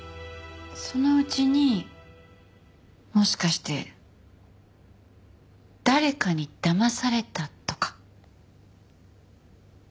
そのうちにもしかして誰かにだまされたとか？